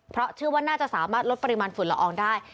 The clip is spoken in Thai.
เพราะเชื่อว่าน่าจะสามารถลดปริมาณฝุ่นละอองได้